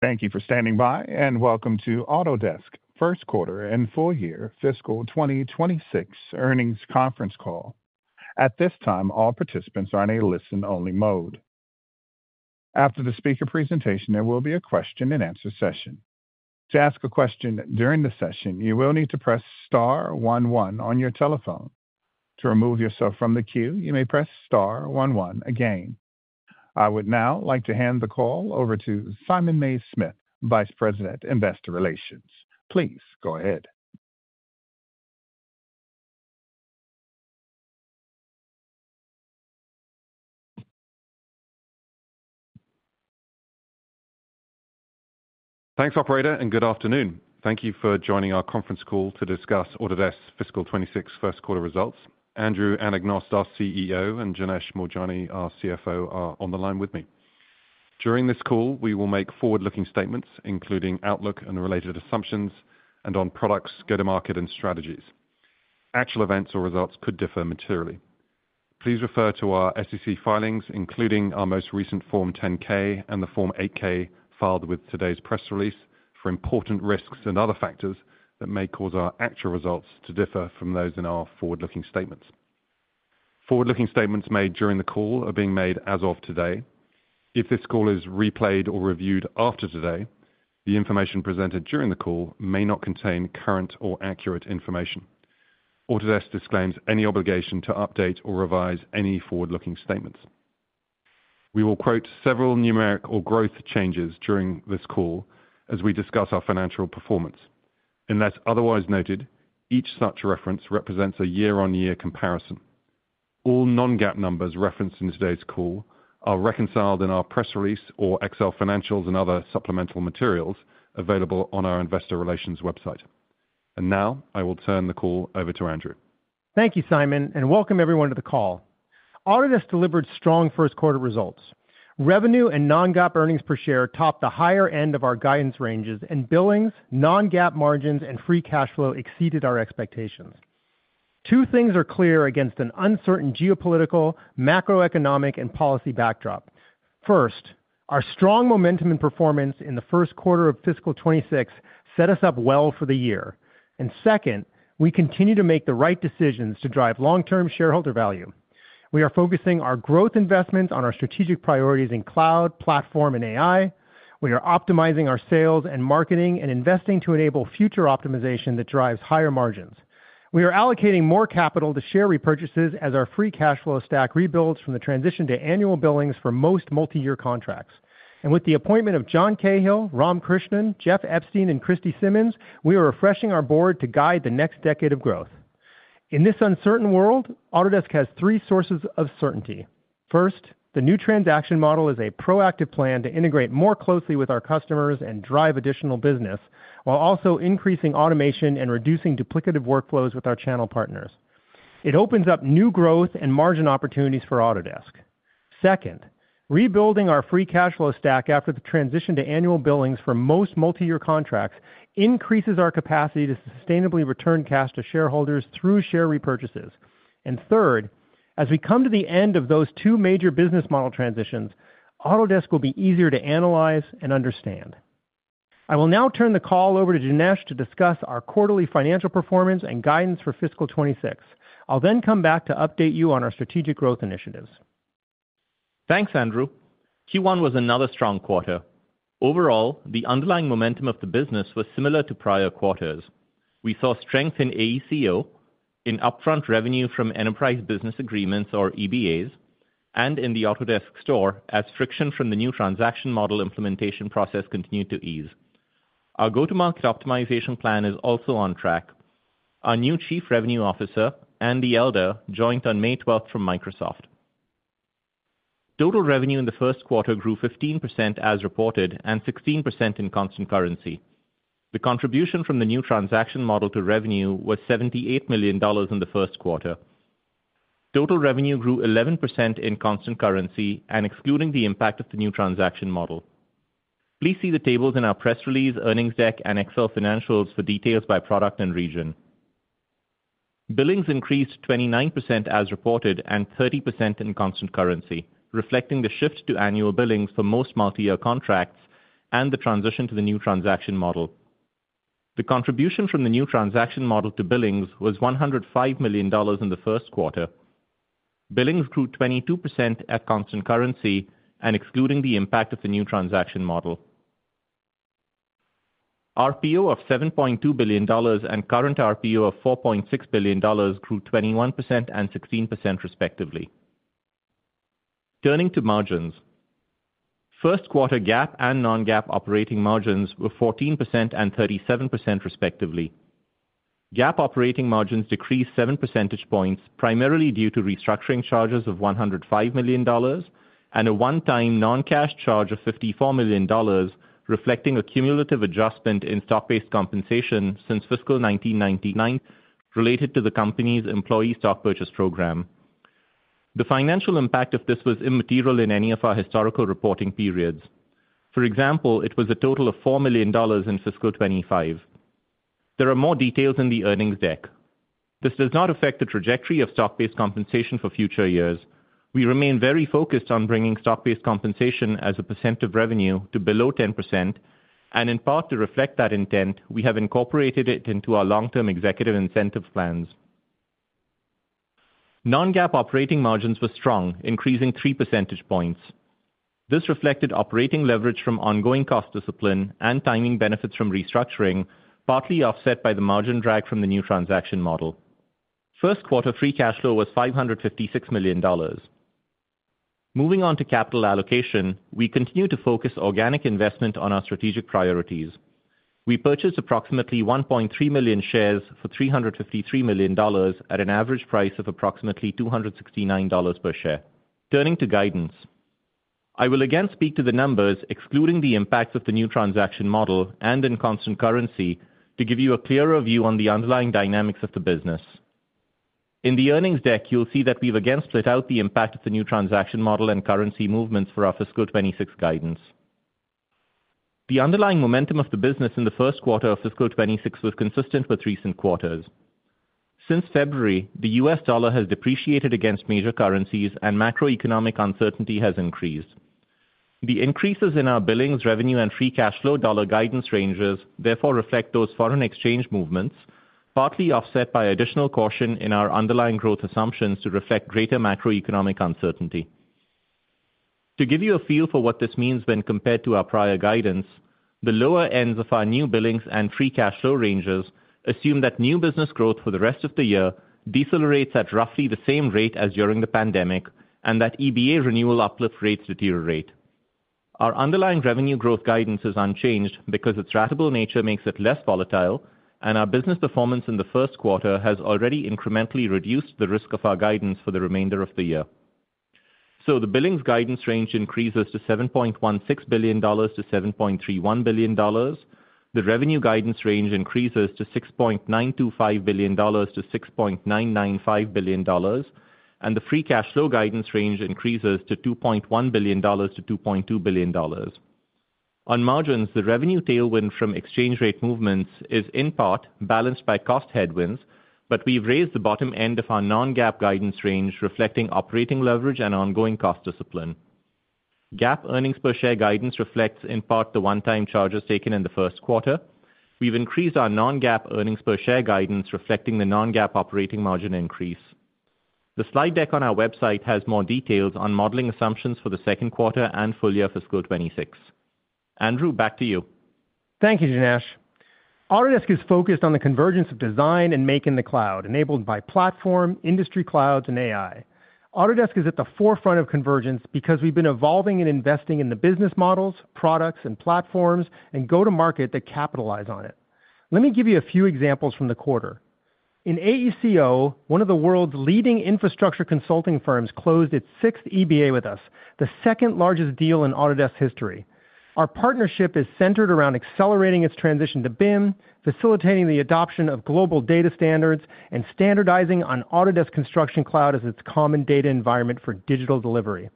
Thank you for standing by, and welcome to Autodesk First Quarter and Full-Year Fiscal 2026 Earnings Conference Call. At this time, all participants are in a listen-only mode. After the speaker presentation, there will be a question-and-answer session. To ask a question during the session, you will need to press *11 on your telephone. To remove yourself from the queue, you may press Star 11 again. I would now like to hand the call over to Simon Mays-Smith, Vice President, Investor Relations. Please go ahead. Thanks, operator, and good afternoon. Thank you for joining our conference call to discuss Autodesk fiscal 2026 first quarter results. Andrew Anagnost, our CEO, and Janesh Moorjani, our CFO, are on the line with me. During this call, we will make forward-looking statements, including outlook and related assumptions, and on products, go-to-market, and strategies. Actual events or results could differ materially. Please refer to our SEC filings, including our most recent Form 10-K and the Form 8-K filed with today's press release, for important risks and other factors that may cause our actual results to differ from those in our forward-looking statements. Forward-looking statements made during the call are being made as of today. If this call is replayed or reviewed after today, the information presented during the call may not contain current or accurate information. Autodesk disclaims any obligation to update or revise any forward-looking statements. We will quote several numeric or growth changes during this call as we discuss our financial performance. Unless otherwise noted, each such reference represents a year-on-year comparison. All non-GAAP numbers referenced in today's call are reconciled in our press release or Excel financials and other supplemental materials available on our Investor Relations website. I will turn the call over to Andrew. Thank you, Simon, and welcome everyone to the call. Autodesk delivered strong first quarter results. Revenue and non-GAAP earnings per share topped the higher end of our guidance ranges, and billings, non-GAAP margins, and free cash flow exceeded our expectations. Two things are clear against an uncertain geopolitical, macroeconomic, and policy backdrop. First, our strong momentum and performance in the first quarter of fiscal 26 set us up well for the year. Second, we continue to make the right decisions to drive long-term shareholder value. We are focusing our growth investments on our strategic priorities in cloud, platform, and AI. We are optimizing our sales and marketing and investing to enable future optimization that drives higher margins. We are allocating more capital to share repurchases as our free cash flow stack rebuilds from the transition to annual billings for most multi-year contracts. With the appointment of John Cahill, Ram Krishnan, Jeff Epstein, and Christie Simmons, we are refreshing our board to guide the next decade of growth. In this uncertain world, Autodesk has three sources of certainty. First, the new transaction model is a proactive plan to integrate more closely with our customers and drive additional business, while also increasing automation and reducing duplicative workflows with our channel partners. It opens up new growth and margin opportunities for Autodesk. Second, rebuilding our free cash flow stack after the transition to annual billings for most multi-year contracts increases our capacity to sustainably return cash to shareholders through share repurchases. Third, as we come to the end of those two major business model transitions, Autodesk will be easier to analyze and understand. I will now turn the call over to Janesh to discuss our quarterly financial performance and guidance for fiscal 2026. I'll then come back to update you on our strategic growth initiatives. Thanks, Andrew. Q1 was another strong quarter. Overall, the underlying momentum of the business was similar to prior quarters. We saw strength in AECO, in upfront revenue from enterprise business agreements, or EBAs, and in the Autodesk Store, as friction from the new transaction model implementation process continued to ease. Our go-to-market optimization plan is also on track. Our new Chief Revenue Officer, Andy Elder, joined on May 12 from Microsoft. Total revenue in the first quarter grew 15% as reported and 16% in constant currency. The contribution from the new transaction model to revenue was $78 million in the first quarter. Total revenue grew 11% in constant currency, excluding the impact of the new transaction model. Please see the tables in our press release, earnings deck, and Excel financials for details by product and region. Billings increased 29% as reported and 30% in constant currency, reflecting the shift to annual billings for most multi-year contracts and the transition to the new transaction model. The contribution from the new transaction model to billings was $105 million in the first quarter. Billings grew 22% at constant currency, excluding the impact of the new transaction model. RPO of $7.2 billion and current RPO of $4.6 billion grew 21% and 16%, respectively. Turning to margins, first quarter GAAP and non-GAAP operating margins were 14% and 37%, respectively. GAAP operating margins decreased 7 percentage points, primarily due to restructuring charges of $105 million and a one-time non-cash charge of $54 million, reflecting a cumulative adjustment in stock-based compensation since fiscal 1999 related to the company's employee stock purchase program. The financial impact of this was immaterial in any of our historical reporting periods. For example, it was a total of $4 million in fiscal 2025. There are more details in the earnings deck. This does not affect the trajectory of stock-based compensation for future years. We remain very focused on bringing stock-based compensation as a percent of revenue to below 10%, and in part to reflect that intent, we have incorporated it into our long-term executive incentive plans. Non-GAAP operating margins were strong, increasing 3 percentage points. This reflected operating leverage from ongoing cost discipline and timing benefits from restructuring, partly offset by the margin drag from the new transaction model. First quarter free cash flow was $556 million. Moving on to capital allocation, we continue to focus organic investment on our strategic priorities. We purchased approximately 1.3 million shares for $353 million at an average price of approximately $269 per share. Turning to guidance, I will again speak to the numbers, excluding the impacts of the new transaction model and in constant currency, to give you a clearer view on the underlying dynamics of the business. In the earnings deck, you'll see that we've again split out the impact of the new transaction model and currency movements for our fiscal 2026 guidance. The underlying momentum of the business in the first quarter of fiscal 2026 was consistent with recent quarters. Since February, the US dollar has depreciated against major currencies, and macroeconomic uncertainty has increased. The increases in our billings, revenue, and free cash flow dollar guidance ranges therefore reflect those foreign exchange movements, partly offset by additional caution in our underlying growth assumptions to reflect greater macroeconomic uncertainty. To give you a feel for what this means when compared to our prior guidance, the lower ends of our new billings and free cash flow ranges assume that new business growth for the rest of the year decelerates at roughly the same rate as during the pandemic and that EBA renewal uplift rates deteriorate. Our underlying revenue growth guidance is unchanged because its ratable nature makes it less volatile, and our business performance in the first quarter has already incrementally reduced the risk of our guidance for the remainder of the year. The billings guidance range increases to $7.16 billion-$7.31 billion. The revenue guidance range increases to $6.925 billion-$6.995 billion, and the free cash flow guidance range increases to $2.1 billion-$2.2 billion. On margins, the revenue tailwind from exchange rate movements is in part balanced by cost headwinds, but we've raised the bottom end of our non-GAAP guidance range, reflecting operating leverage and ongoing cost discipline. GAAP earnings per share guidance reflects in part the one-time charges taken in the first quarter. We've increased our non-GAAP earnings per share guidance, reflecting the non-GAAP operating margin increase. The slide deck on our website has more details on modeling assumptions for the second quarter and full year fiscal 2026. Andrew, back to you. Thank you, Janesh. Autodesk is focused on the convergence of design and make in the cloud, enabled by platform, industry clouds, and AI. Autodesk is at the forefront of convergence because we've been evolving and investing in the business models, products, and platforms and go-to-market that capitalize on it. Let me give you a few examples from the quarter. In AECO, one of the world's leading infrastructure consulting firms closed its sixth EBA with us, the second largest deal in Autodesk's history. Our partnership is centered around accelerating its transition to BIM, facilitating the adoption of global data standards, and standardizing on Autodesk Construction Cloud as its common data environment for digital delivery.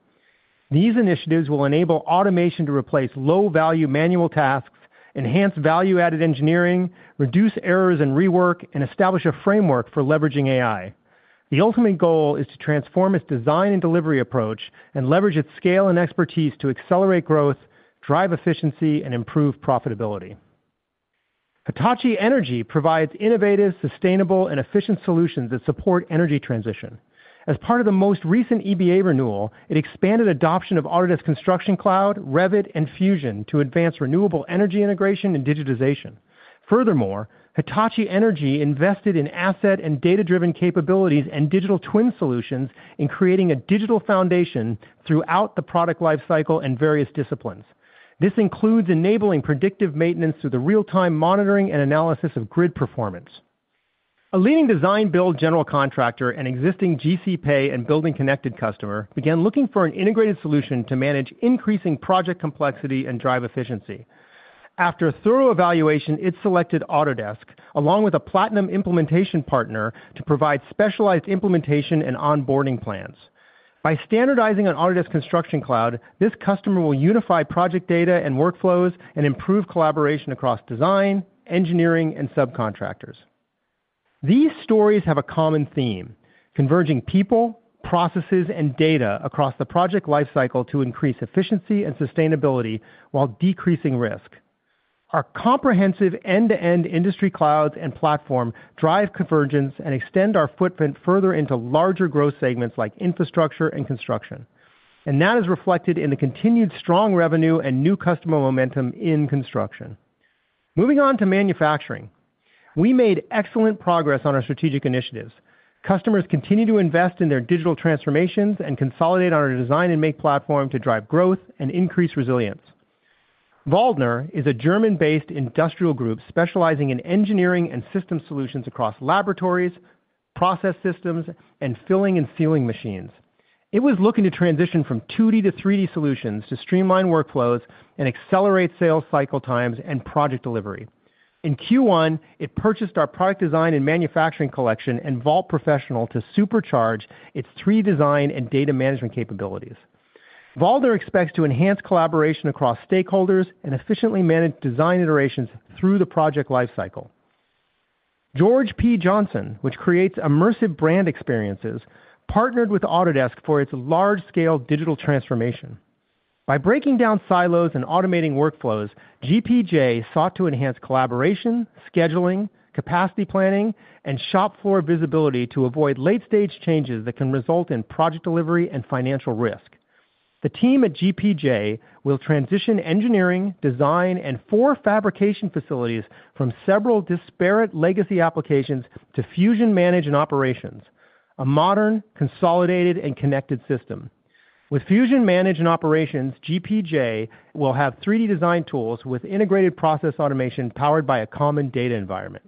These initiatives will enable automation to replace low-value manual tasks, enhance value-added engineering, reduce errors and rework, and establish a framework for leveraging AI. The ultimate goal is to transform its design and delivery approach and leverage its scale and expertise to accelerate growth, drive efficiency, and improve profitability. Hitachi Energy provides innovative, sustainable, and efficient solutions that support energy transition. As part of the most recent EBA renewal, it expanded adoption of Autodesk Construction Cloud, Revit, and Fusion to advance renewable energy integration and digitization. Furthermore, Hitachi Energy invested in asset and data-driven capabilities and digital twin solutions in creating a digital foundation throughout the product lifecycle and various disciplines. This includes enabling predictive maintenance through the real-time monitoring and analysis of grid performance. A leading design build general contractor and existing GCPay and BuildingConnected customer began looking for an integrated solution to manage increasing project complexity and drive efficiency. After a thorough evaluation, it selected Autodesk, along with a platinum implementation partner, to provide specialized implementation and onboarding plans. By standardizing on Autodesk Construction Cloud, this customer will unify project data and workflows and improve collaboration across design, engineering, and subcontractors. These stories have a common theme: converging people, processes, and data across the project lifecycle to increase efficiency and sustainability while decreasing risk. Our comprehensive end-to-end industry clouds and platform drive convergence and extend our footprint further into larger growth segments like infrastructure and construction. That is reflected in the continued strong revenue and new customer momentum in construction. Moving on to manufacturing, we made excellent progress on our strategic initiatives. Customers continue to invest in their digital transformations and consolidate on our design and make platform to drive growth and increase resilience. Waldner is a German-based industrial group specializing in engineering and system solutions across laboratories, process systems, and filling and sealing machines. It was looking to transition from 2D to 3D solutions to streamline workflows and accelerate sales cycle times and project delivery. In Q1, it purchased our Product Design and Manufacturing Collection and Vault Professional to supercharge its 3D design and data management capabilities. Waldner expects to enhance collaboration across stakeholders and efficiently manage design iterations through the project lifecycle. George P. Johnson, which creates immersive brand experiences, partnered with Autodesk for its large-scale digital transformation. By breaking down silos and automating workflows, GPJ sought to enhance collaboration, scheduling, capacity planning, and shop floor visibility to avoid late-stage changes that can result in project delivery and financial risk. The team at GPJ will transition engineering, design, and four fabrication facilities from several disparate legacy applications to Fusion Manage and Operations, a modern, consolidated, and connected system. With Fusion Manage and Operations, GPJ will have 3D design tools with integrated process automation powered by a common data environment.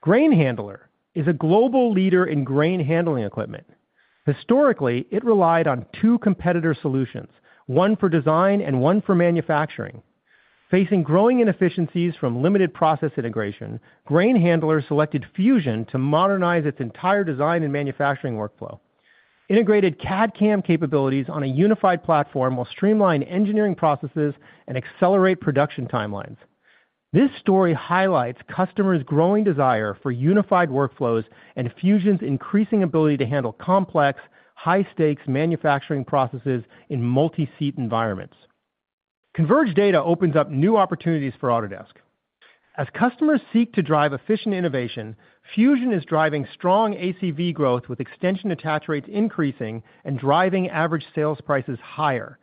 Grain Handler is a global leader in grain handling equipment. Historically, it relied on two competitor solutions, one for design and one for manufacturing. Facing growing inefficiencies from limited process integration, Grain Handler selected Fusion to modernize its entire design and manufacturing workflow, integrated CAD/CAM capabilities on a unified platform while streamlining engineering processes and accelerating production timelines. This story highlights customers' growing desire for unified workflows and Fusion's increasing ability to handle complex, high-stakes manufacturing processes in multi-seat environments. Converged data opens up new opportunities for Autodesk. As customers seek to drive efficient innovation, Fusion is driving strong ACV growth with extension attach rates increasing and driving average sales prices higher.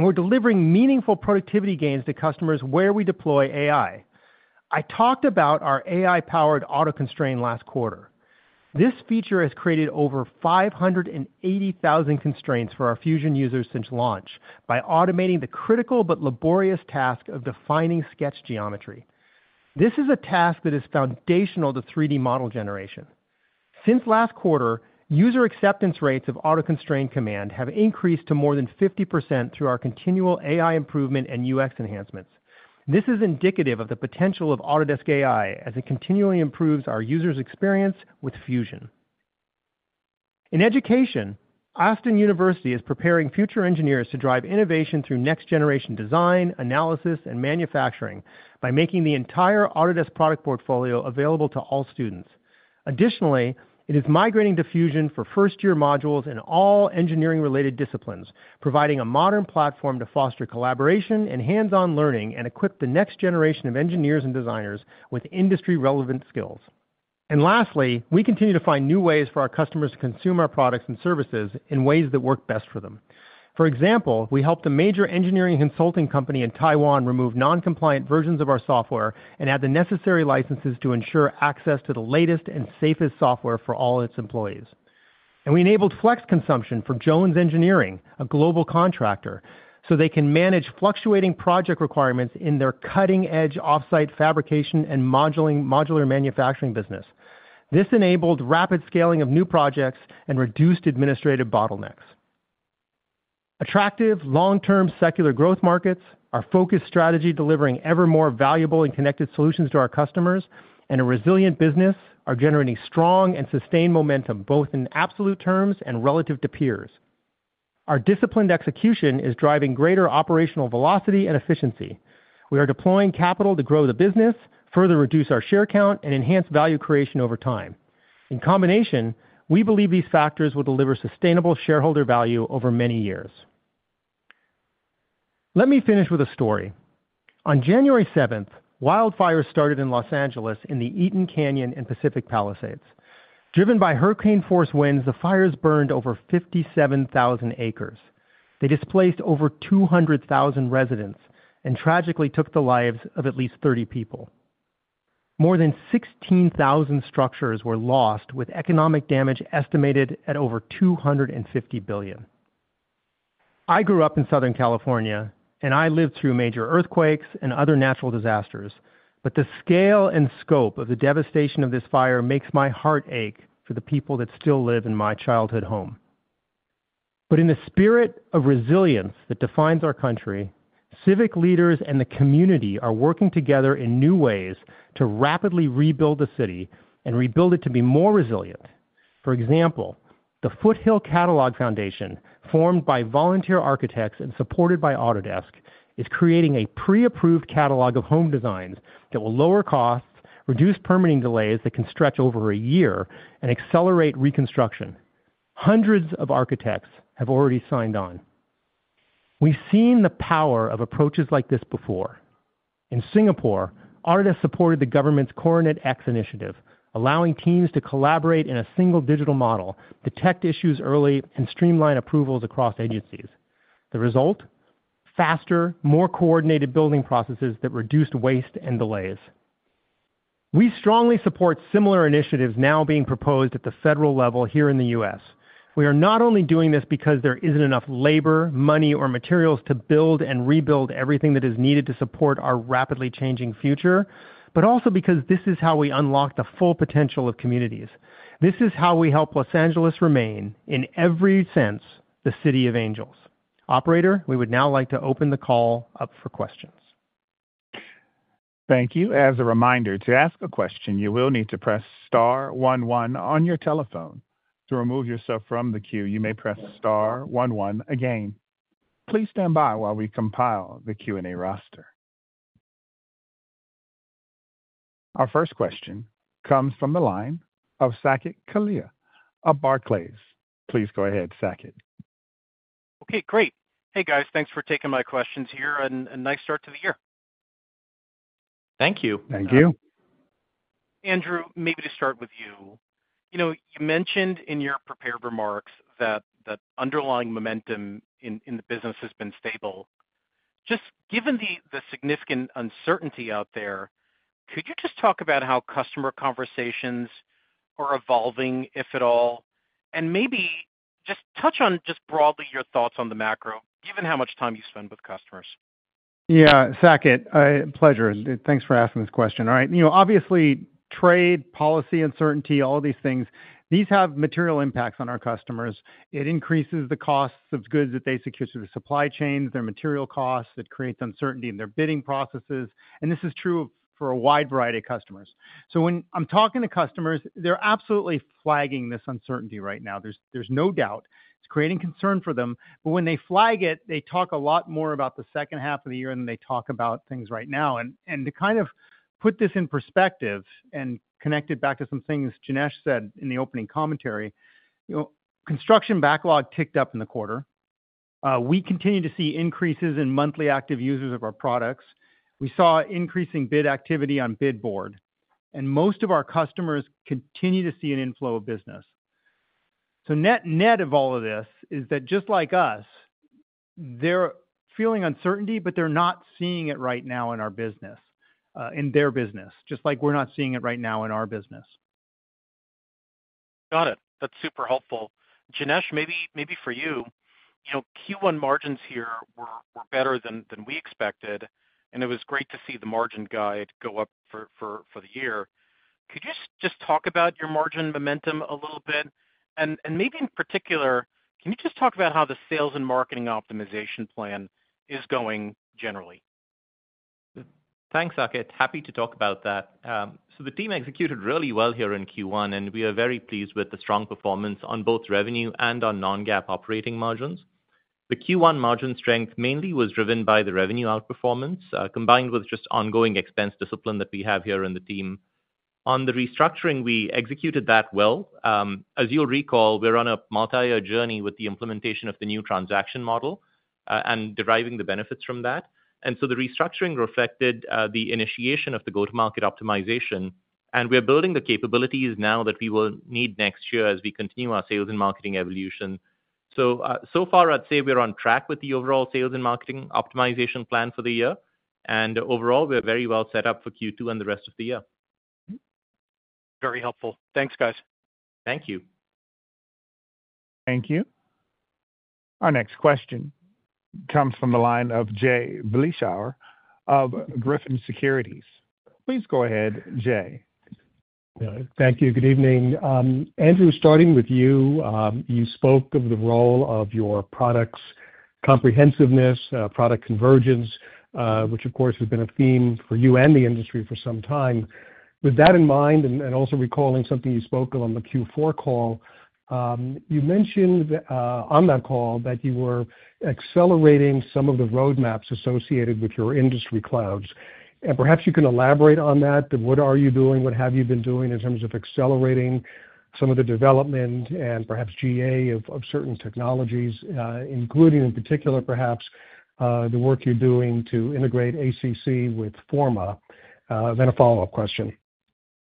We are delivering meaningful productivity gains to customers where we deploy AI. I talked about our AI-powered auto constraint last quarter. This feature has created over 580,000 constraints for our Fusion users since launch by automating the critical but laborious task of defining sketch geometry. This is a task that is foundational to 3D model generation. Since last quarter, user acceptance rates of auto constraint command have increased to more than 50% through our continual AI improvement and UX enhancements. This is indicative of the potential of Autodesk AI as it continually improves our users' experience with Fusion. In education, University of Austin is preparing future engineers to drive innovation through next-generation design, analysis, and manufacturing by making the entire Autodesk product portfolio available to all students. Additionally, it is migrating to Fusion for first-year modules in all engineering-related disciplines, providing a modern platform to foster collaboration and hands-on learning and equip the next generation of engineers and designers with industry-relevant skills. Lastly, we continue to find new ways for our customers to consume our products and services in ways that work best for them. For example, we helped a major engineering consulting company in Taiwan remove non-compliant versions of our software and add the necessary licenses to ensure access to the latest and safest software for all its employees. We enabled flex consumption for Jones Engineering, a global contractor, so they can manage fluctuating project requirements in their cutting-edge off-site fabrication and modular manufacturing business. This enabled rapid scaling of new projects and reduced administrative bottlenecks. Attractive, long-term secular growth markets, our focused strategy delivering ever more valuable and connected solutions to our customers and a resilient business are generating strong and sustained momentum both in absolute terms and relative to peers. Our disciplined execution is driving greater operational velocity and efficiency. We are deploying capital to grow the business, further reduce our share count, and enhance value creation over time. In combination, we believe these factors will deliver sustainable shareholder value over many years. Let me finish with a story. On January 7, wildfires started in Los Angeles in the Eaton Canyon and Pacific Palisades. Driven by hurricane-force winds, the fires burned over 57,000 acres. They displaced over 200,000 residents and tragically took the lives of at least 30 people. More than 16,000 structures were lost, with economic damage estimated at over $250 billion. I grew up in Southern California, and I lived through major earthquakes and other natural disasters, but the scale and scope of the devastation of this fire makes my heart ache for the people that still live in my childhood home. In the spirit of resilience that defines our country, civic leaders and the community are working together in new ways to rapidly rebuild the city and rebuild it to be more resilient. For example, the Foothill Catalog Foundation, formed by volunteer architects and supported by Autodesk, is creating a pre-approved catalog of home designs that will lower costs, reduce permitting delays that can stretch over a year, and accelerate reconstruction. Hundreds of architects have already signed on. We've seen the power of approaches like this before. In Singapore, Autodesk supported the government's Coronet X initiative, allowing teams to collaborate in a single digital model, detect issues early, and streamline approvals across agencies. The result? Faster, more coordinated building processes that reduced waste and delays. We strongly support similar initiatives now being proposed at the federal level here in the U.S. We are not only doing this because there isn't enough labor, money, or materials to build and rebuild everything that is needed to support our rapidly changing future, but also because this is how we unlock the full potential of communities. This is how we help Los Angeles remain, in every sense, the City of Angels. Operator, we would now like to open the call up for questions. Thank you. As a reminder, to ask a question, you will need to press star 11 on your telephone. To remove yourself from the queue, you may press star 11 again. Please stand by while we compile the Q&A roster. Our first question comes from the line of Saket Kalia, of Barclays. Please go ahead, Saket. Okay, great. Hey, guys, thanks for taking my questions here. And a nice start to the year. Thank you. Thank you. Andrew, maybe to start with you. You mentioned in your prepared remarks that the underlying momentum in the business has been stable. Just given the significant uncertainty out there, could you just talk about how customer conversations are evolving, if at all? Maybe just touch on just broadly your thoughts on the macro, given how much time you spend with customers. Yeah, Sakit, pleasure. Thanks for asking this question. All right. Obviously, trade, policy uncertainty, all of these things, these have material impacts on our customers. It increases the costs of goods that they secure through the supply chains, their material costs that create uncertainty in their bidding processes. This is true for a wide variety of customers. When I'm talking to customers, they're absolutely flagging this uncertainty right now. There's no doubt. It's creating concern for them. When they flag it, they talk a lot more about the second half of the year than they talk about things right now. To kind of put this in perspective and connect it back to some things Janesh said in the opening commentary, construction backlog ticked up in the quarter. We continue to see increases in monthly active users of our products. We saw increasing bid activity on Bid Board. Most of our customers continue to see an inflow of business. Net of all of this is that just like us, they're feeling uncertainty, but they're not seeing it right now in our business, in their business, just like we're not seeing it right now in our business. Got it. That's super helpful. Janesh, maybe for you, Q1 margins here were better than we expected. It was great to see the margin guide go up for the year. Could you just talk about your margin momentum a little bit? Maybe in particular, can you just talk about how the sales and marketing optimization plan is going generally? Thanks, Sakit. Happy to talk about that. The team executed really well here in Q1, and we are very pleased with the strong performance on both revenue and on non-GAAP operating margins. The Q1 margin strength mainly was driven by the revenue outperformance combined with just ongoing expense discipline that we have here in the team. On the restructuring, we executed that well. As you'll recall, we're on a multi-year journey with the implementation of the new transaction model and deriving the benefits from that. The restructuring reflected the initiation of the go-to-market optimization. We are building the capabilities now that we will need next year as we continue our sales and marketing evolution. So far, I'd say we're on track with the overall sales and marketing optimization plan for the year. Overall, we're very well set up for Q2 and the rest of the year. Very helpful. Thanks, guys. Thank you. Thank you. Our next question comes from the line of Jay Bleishauer of Griffin Securities. Please go ahead, Jay. Thank you. Good evening. Andrew, starting with you, you spoke of the role of your product's comprehensiveness, product convergence, which, of course, has been a theme for you and the industry for some time. With that in mind, and also recalling something you spoke of on the Q4 call, you mentioned on that call that you were accelerating some of the roadmaps associated with your industry clouds. Perhaps you can elaborate on that. What are you doing? What have you been doing in terms of accelerating some of the development and perhaps GA of certain technologies, including in particular, perhaps, the work you're doing to integrate ACC with Forma? A follow-up question.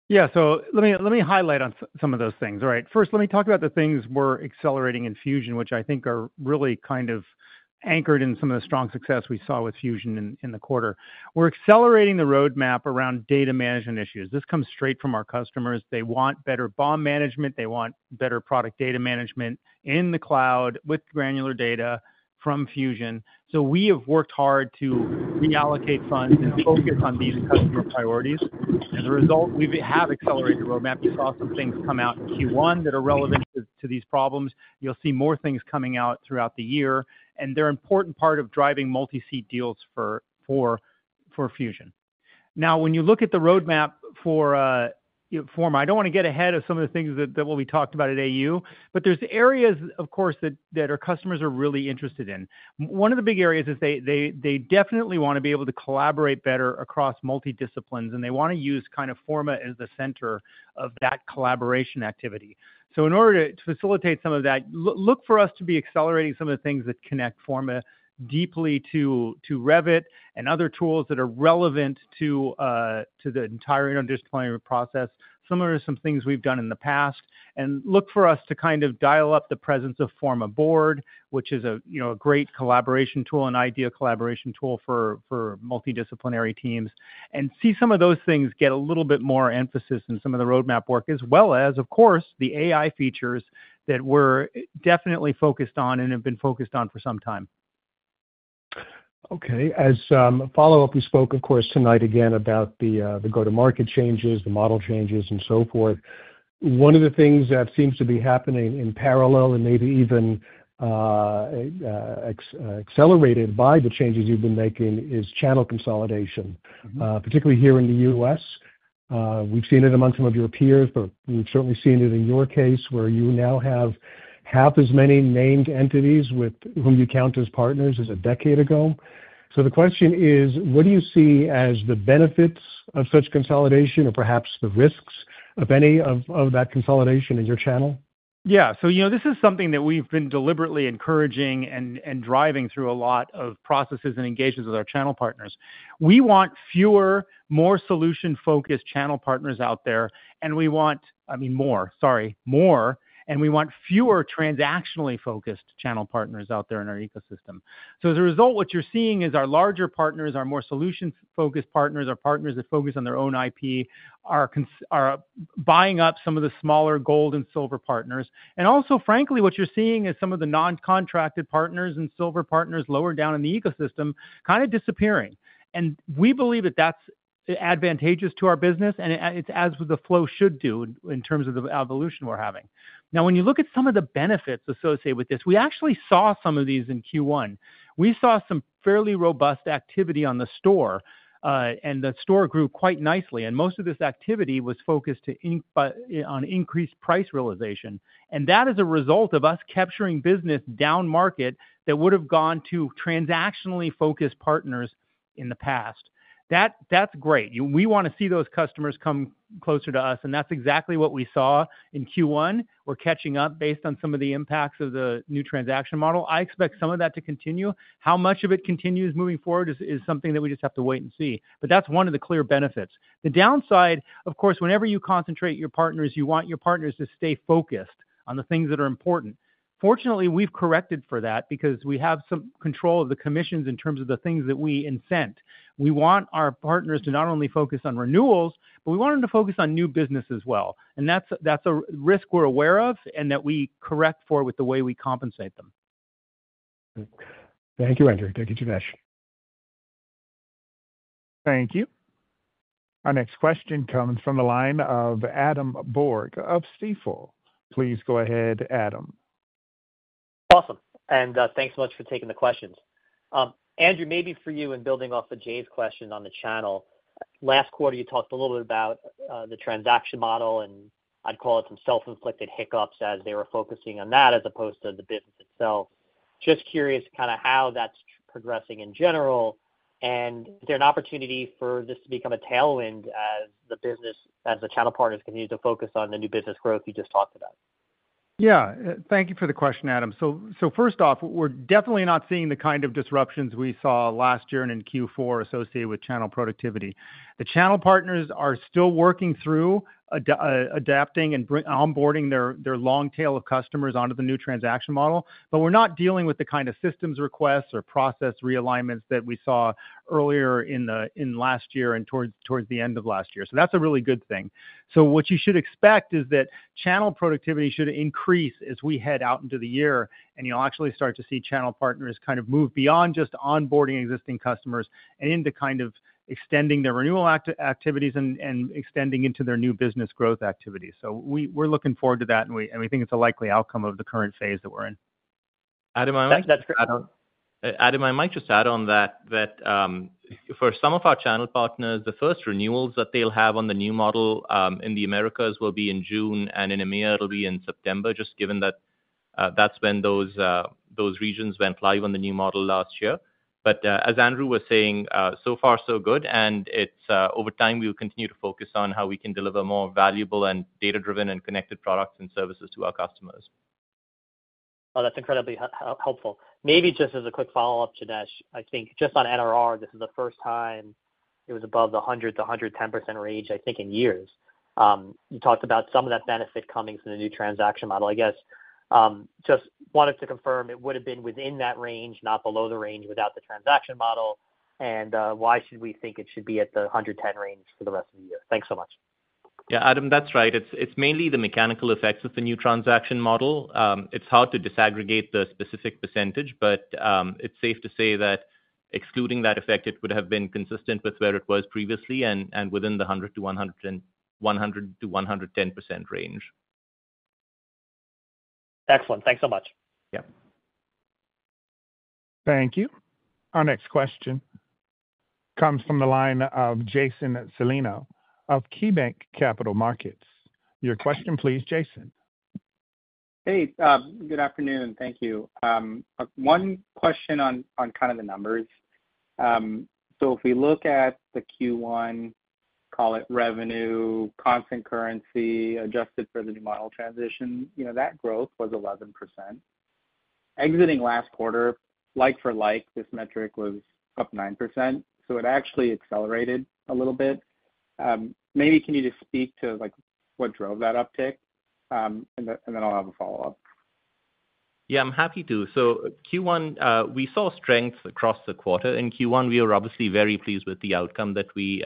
Yeah, let me highlight on some of those things. All right. First, let me talk about the things we're accelerating in Fusion, which I think are really kind of anchored in some of the strong success we saw with Fusion in the quarter. We're accelerating the roadmap around data management issues. This comes straight from our customers. They want better BOM management. They want better product data management in the cloud with granular data from Fusion. We have worked hard to reallocate funds and focus on these customer priorities. As a result, we have accelerated the roadmap. You saw some things come out in Q1 that are relevant to these problems. You'll see more things coming out throughout the year. They're an important part of driving multi-seat deals for Fusion. Now, when you look at the roadmap for Forma, I do not want to get ahead of some of the things that we talked about at AU, but there are areas, of course, that our customers are really interested in. One of the big areas is they definitely want to be able to collaborate better across multi-disciplines, and they want to use kind of Forma as the center of that collaboration activity. In order to facilitate some of that, look for us to be accelerating some of the things that connect Forma deeply to Revit and other tools that are relevant to the entire interdisciplinary process, similar to some things we have done in the past. Look for us to kind of dial up the presence of Forma Board, which is a great collaboration tool, an idea collaboration tool for multi-disciplinary teams, and see some of those things get a little bit more emphasis in some of the roadmap work, as well as, of course, the AI features that we're definitely focused on and have been focused on for some time. Okay. As a follow-up, we spoke, of course, tonight again about the go-to-market changes, the model changes, and so forth. One of the things that seems to be happening in parallel and maybe even accelerated by the changes you've been making is channel consolidation, particularly here in the U.S. We've seen it among some of your peers, but we've certainly seen it in your case, where you now have half as many named entities with whom you count as partners as a decade ago. The question is, what do you see as the benefits of such consolidation or perhaps the risks of any of that consolidation in your channel? Yeah. This is something that we've been deliberately encouraging and driving through a lot of processes and engagements with our channel partners. We want fewer, more solution-focused channel partners out there. I mean, more, sorry, more. We want fewer transactionally focused channel partners out there in our ecosystem. As a result, what you're seeing is our larger partners, our more solution-focused partners, our partners that focus on their own IP, are buying up some of the smaller gold and silver partners. Also, frankly, what you're seeing is some of the non-contracted partners and silver partners lower down in the ecosystem kind of disappearing. We believe that that's advantageous to our business, and it's as the flow should do in terms of the evolution we're having. Now, when you look at some of the benefits associated with this, we actually saw some of these in Q1. We saw some fairly robust activity on the store, and the store grew quite nicely. Most of this activity was focused on increased price realization. That is a result of us capturing business down market that would have gone to transactionally focused partners in the past. That's great. We want to see those customers come closer to us. That's exactly what we saw in Q1. We're catching up based on some of the impacts of the new transaction model. I expect some of that to continue. How much of it continues moving forward is something that we just have to wait and see. That's one of the clear benefits. The downside, of course, whenever you concentrate your partners, you want your partners to stay focused on the things that are important. Fortunately, we've corrected for that because we have some control of the commissions in terms of the things that we incent. We want our partners to not only focus on renewals, but we want them to focus on new business as well. That is a risk we're aware of and that we correct for with the way we compensate them. Thank you, Andrew. Thank you, Janesh. Thank you. Our next question comes from the line of Adam Borg of Stifel. Please go ahead, Adam. Awesome. Thanks so much for taking the questions. Andrew, maybe for you in building off of Jay's question on the channel, last quarter, you talked a little bit about the transaction model, and I'd call it some self-inflicted hiccups as they were focusing on that as opposed to the business itself. Just curious kind of how that's progressing in general. Is there an opportunity for this to become a tailwind as the business, as the channel partners continue to focus on the new business growth you just talked about? Yeah. Thank you for the question, Adam. First off, we're definitely not seeing the kind of disruptions we saw last year and in Q4 associated with channel productivity. The channel partners are still working through adapting and onboarding their long tail of customers onto the new transaction model. We're not dealing with the kind of systems requests or process realignments that we saw earlier in last year and towards the end of last year. That's a really good thing. What you should expect is that channel productivity should increase as we head out into the year. You'll actually start to see channel partners kind of move beyond just onboarding existing customers and into kind of extending their renewal activities and extending into their new business growth activities. We're looking forward to that, and we think it's a likely outcome of the current phase that we're in. Adam, I might just add on that for some of our channel partners, the first renewals that they'll have on the new model in the Americas will be in June, and in EMEA, it'll be in September, just given that that's when those regions went live on the new model last year. As Andrew was saying, so far, so good. Over time, we will continue to focus on how we can deliver more valuable and data-driven and connected products and services to our customers. Oh, that's incredibly helpful. Maybe just as a quick follow-up, Janesh, I think just on NRR, this is the first time it was above the 100-110% range, I think, in years. You talked about some of that benefit coming from the new transaction model. I guess just wanted to confirm it would have been within that range, not below the range without the transaction model. Why should we think it should be at the 110% range for the rest of the year? Thanks so much. Yeah, Adam, that's right. It's mainly the mechanical effects of the new transaction model. It's hard to disaggregate the specific percentage, but it's safe to say that excluding that effect, it would have been consistent with where it was previously and within the 100-110% range. Excellent. Thanks so much. Yeah. Thank you. Our next question comes from the line of Jason Celino of KeyBank Capital Markets. Your question, please, Jason. Hey, good afternoon. Thank you. One question on kind of the numbers. If we look at the Q1, call it revenue, constant currency adjusted for the new model transition, that growth was 11%. Exiting last quarter, like for like, this metric was up 9%. It actually accelerated a little bit. Maybe can you just speak to what drove that uptick? I will have a follow-up. Yeah, I'm happy to. Q1, we saw strength across the quarter. In Q1, we were obviously very pleased with the outcome that we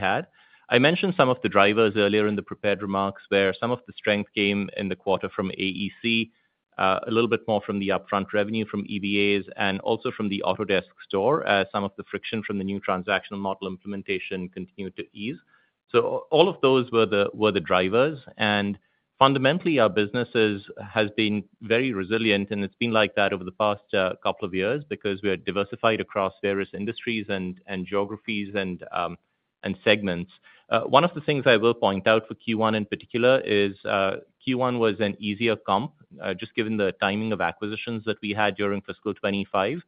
had. I mentioned some of the drivers earlier in the prepared remarks where some of the strength came in the quarter from AEC, a little bit more from the upfront revenue from EBAs, and also from the Autodesk Store, as some of the friction from the new transactional model implementation continued to ease. All of those were the drivers. Fundamentally, our business has been very resilient, and it's been like that over the past couple of years because we are diversified across various industries and geographies and segments. One of the things I will point out for Q1 in particular is Q1 was an easier comp, just given the timing of acquisitions that we had during fiscal 2025.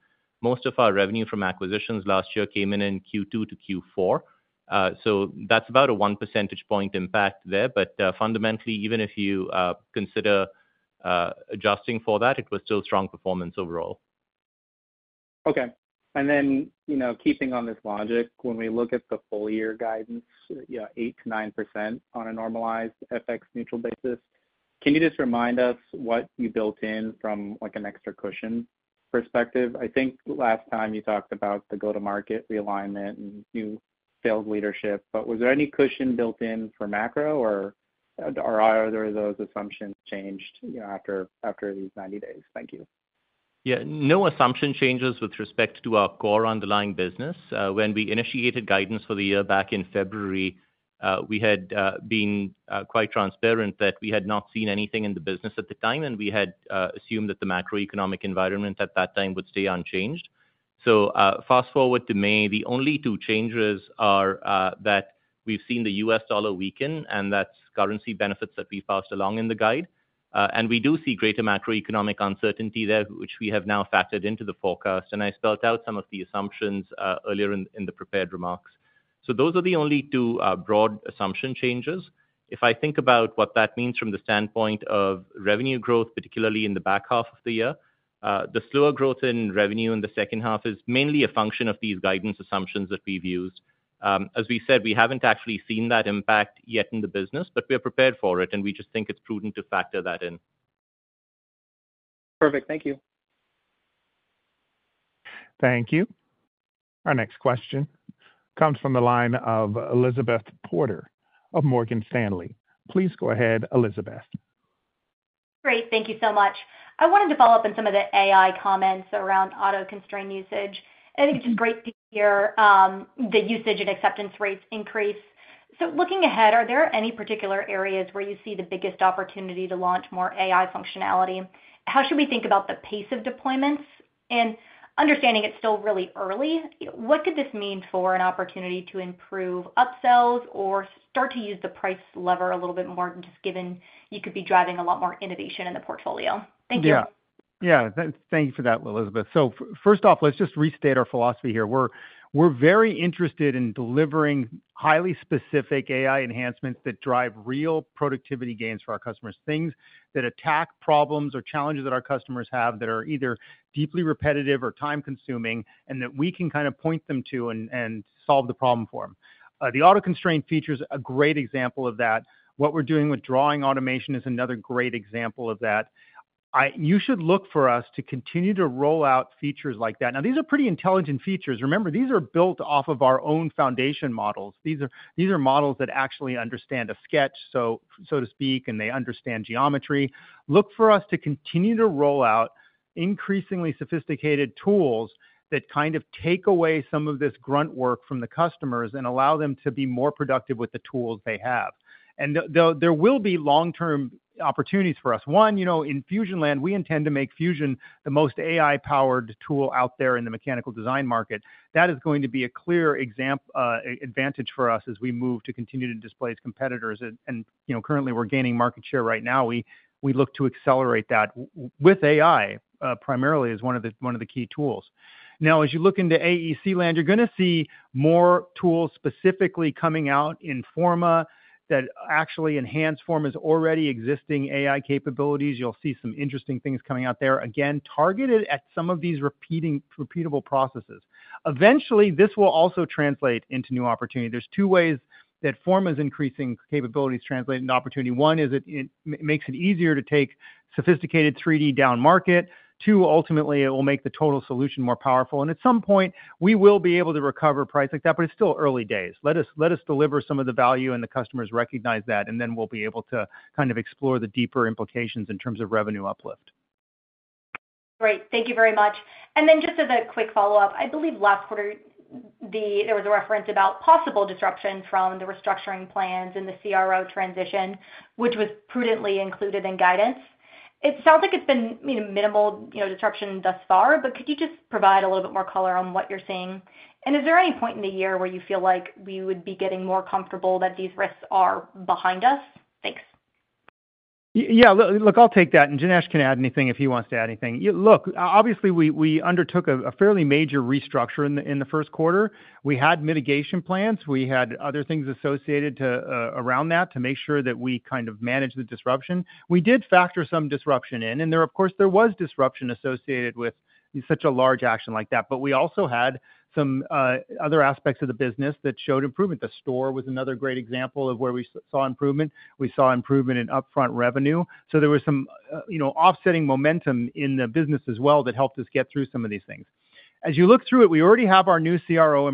Most of our revenue from acquisitions last year came in in Q2 to Q4. That is about a 1 percentage point impact there. Fundamentally, even if you consider adjusting for that, it was still strong performance overall. Okay. And then keeping on this logic, when we look at the full year guidance, 8-9% on a normalized FX neutral basis, can you just remind us what you built in from an extra cushion perspective? I think last time you talked about the go-to-market realignment and new sales leadership, but was there any cushion built in for macro, or are there those assumptions changed after these 90 days? Thank you. Yeah, no assumption changes with respect to our core underlying business. When we initiated guidance for the year back in February, we had been quite transparent that we had not seen anything in the business at the time, and we had assumed that the macroeconomic environment at that time would stay unchanged. Fast forward to May, the only two changes are that we've seen the US dollar weaken, and that's currency benefits that we passed along in the guide. We do see greater macroeconomic uncertainty there, which we have now factored into the forecast. I spelled out some of the assumptions earlier in the prepared remarks. Those are the only two broad assumption changes. If I think about what that means from the standpoint of revenue growth, particularly in the back half of the year, the slower growth in revenue in the second half is mainly a function of these guidance assumptions that we've used. As we said, we haven't actually seen that impact yet in the business, but we're prepared for it, and we just think it's prudent to factor that in. Perfect. Thank you. Thank you. Our next question comes from the line of Elizabeth Porter of Morgan Stanley. Please go ahead, Elizabeth. Great. Thank you so much. I wanted to follow up on some of the AI comments around auto constraint usage. I think it's just great to hear the usage and acceptance rates increase. Looking ahead, are there any particular areas where you see the biggest opportunity to launch more AI functionality? How should we think about the pace of deployments? Understanding it's still really early, what could this mean for an opportunity to improve upsells or start to use the price lever a little bit more just given you could be driving a lot more innovation in the portfolio? Thank you. Yeah. Yeah. Thank you for that, Elizabeth. First off, let's just restate our philosophy here. We're very interested in delivering highly specific AI enhancements that drive real productivity gains for our customers, things that attack problems or challenges that our customers have that are either deeply repetitive or time-consuming and that we can kind of point them to and solve the problem for them. The auto constraint feature is a great example of that. What we're doing with drawing automation is another great example of that. You should look for us to continue to roll out features like that. These are pretty intelligent features. Remember, these are built off of our own foundation models. These are models that actually understand a sketch, so to speak, and they understand geometry. Look for us to continue to roll out increasingly sophisticated tools that kind of take away some of this grunt work from the customers and allow them to be more productive with the tools they have. There will be long-term opportunities for us. One, in Fusionland, we intend to make Fusion the most AI-powered tool out there in the mechanical design market. That is going to be a clear advantage for us as we move to continue to displace competitors. Currently, we're gaining market share right now. We look to accelerate that with AI primarily as one of the key tools. Now, as you look into AEC land, you're going to see more tools specifically coming out in Forma that actually enhance Forma's already existing AI capabilities. You'll see some interesting things coming out there, again, targeted at some of these repeatable processes. Eventually, this will also translate into new opportunity. There are two ways that Forma's increasing capabilities translate into opportunity. One is it makes it easier to take sophisticated 3D down market. Two, ultimately, it will make the total solution more powerful. At some point, we will be able to recover price like that, but it is still early days. Let us deliver some of the value, and the customers recognize that, and then we will be able to kind of explore the deeper implications in terms of revenue uplift. Great. Thank you very much. Just as a quick follow-up, I believe last quarter, there was a reference about possible disruption from the restructuring plans and the CRO transition, which was prudently included in guidance. It sounds like it has been minimal disruption thus far, but could you just provide a little bit more color on what you are seeing? Is there any point in the year where you feel like we would be getting more comfortable that these risks are behind us? Thanks. Yeah. Look, I'll take that. Janesh can add anything if he wants to add anything. Obviously, we undertook a fairly major restructure in the first quarter. We had mitigation plans. We had other things associated around that to make sure that we kind of managed the disruption. We did factor some disruption in. Of course, there was disruption associated with such a large action like that. We also had some other aspects of the business that showed improvement. The store was another great example of where we saw improvement. We saw improvement in upfront revenue. There was some offsetting momentum in the business as well that helped us get through some of these things. As you look through it, we already have our new CRO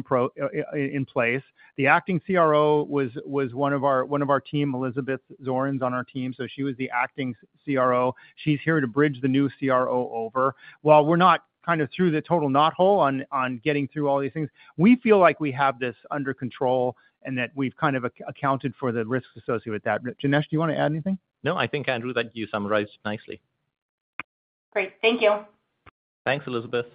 in place. The acting CRO was one of our team, Elizabeth Zornes on our team. She was the acting CRO. She's here to bridge the new CRO over. While we're not kind of through the total knot hole on getting through all these things, we feel like we have this under control and that we've kind of accounted for the risks associated with that. Janesh, do you want to add anything? No, I think, Andrew, that you summarized nicely. Great. Thank you. Thanks, Elizabeth.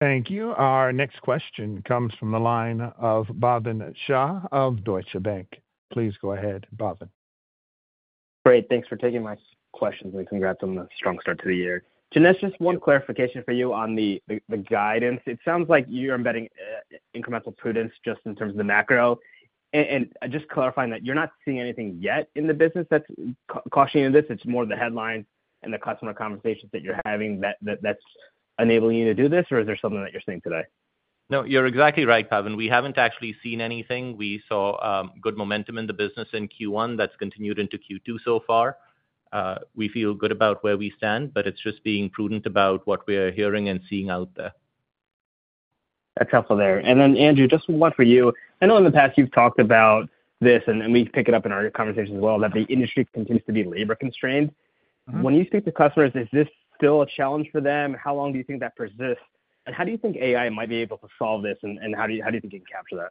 Thank you. Our next question comes from the line of Bhavin Shah of Deutsche Bank. Please go ahead, Bhavin. Great. Thanks for taking my questions. Congrats on the strong start to the year. Janesh, just one clarification for you on the guidance. It sounds like you're embedding incremental prudence just in terms of the macro. Just clarifying that you're not seeing anything yet in the business that's cautioning you in this. It's more of the headlines and the customer conversations that you're having that's enabling you to do this, or is there something that you're seeing today? No, you're exactly right, Bhavin. We haven't actually seen anything. We saw good momentum in the business in Q1 that's continued into Q2 so far. We feel good about where we stand, but it's just being prudent about what we're hearing and seeing out there. That's helpful there. Andrew, just one for you. I know in the past you've talked about this, and we pick it up in our conversations as well, that the industry continues to be labor constrained. When you speak to customers, is this still a challenge for them? How long do you think that persists? How do you think AI might be able to solve this, and how do you think you can capture that?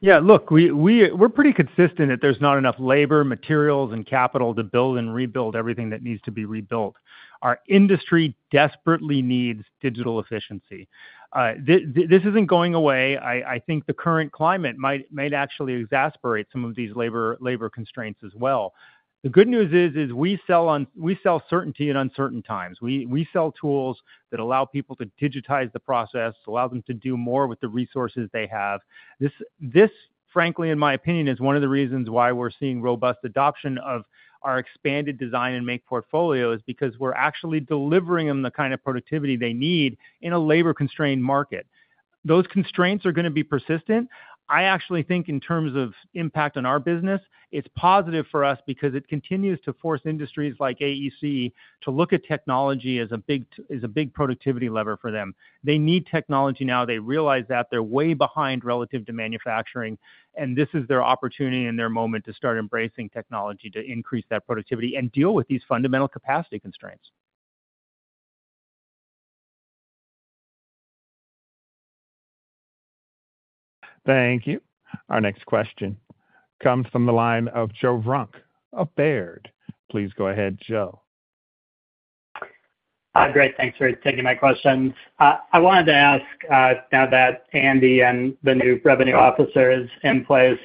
Yeah, look, we're pretty consistent that there's not enough labor, materials, and capital to build and rebuild everything that needs to be rebuilt. Our industry desperately needs digital efficiency. This isn't going away. I think the current climate might actually exacerbate some of these labor constraints as well. The good news is we sell certainty in uncertain times. We sell tools that allow people to digitize the process, allow them to do more with the resources they have. This, frankly, in my opinion, is one of the reasons why we're seeing robust adoption of our expanded design and make portfolios because we're actually delivering them the kind of productivity they need in a labor-constrained market. Those constraints are going to be persistent. I actually think in terms of impact on our business, it's positive for us because it continues to force industries like AEC to look at technology as a big productivity lever for them. They need technology now. They realize that they're way behind relative to manufacturing, and this is their opportunity and their moment to start embracing technology to increase that productivity and deal with these fundamental capacity constraints. Thank you. Our next question comes from the line of Joe Vruwink of Baird. Please go ahead, Joe. Hi, Greg. Thanks for taking my question. I wanted to ask now that Andy and the new revenue officer is in place,